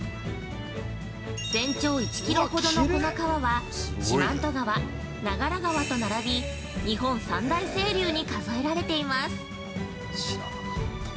全長１キロほどのこの川は四万十川、長良川と並び日本三大清流に数えられています。